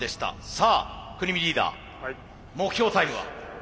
さあ國見リーダー目標タイムは？